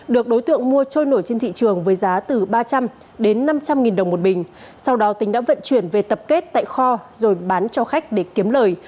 được đối tượng mua trôi nổi trên thị trường với giá từ ba trăm linh đến năm trăm linh nghìn đồng một bình sau đó tính đã vận chuyển về tập kết tại kho rồi bán cho khách để kiếm lời